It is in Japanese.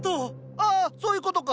ああそういうことか。